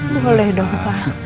boleh dong papa